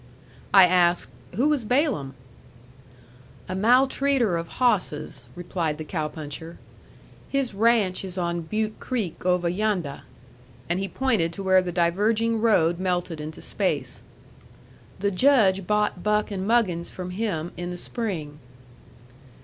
I asked, "Who was Balaam?" "A maltreater of hawsses," replied the cow puncher. "His ranch is on Butte Creek oveh yondeh." And he pointed to where the diverging road melted into space. "The Judge bought Buck and Muggins from him in the spring."